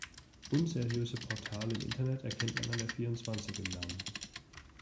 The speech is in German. Unseriöse Portale im Internet erkennt man an der vierundzwanzig im Namen.